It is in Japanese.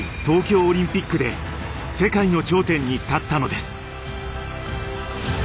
東京オリンピックで世界の頂点に立ったのです。